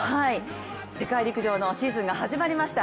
世界陸上のシーズンが始まりました。